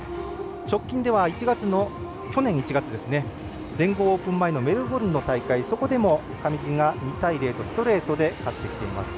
直近では去年１月の全豪オープン前のメルボルンの大会でも上地が２対０とストレートで勝ってきています。